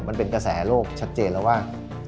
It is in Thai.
มันเป็นกระแสโลกชัดเจนแล้วว่า